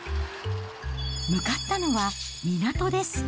向かったのは港です。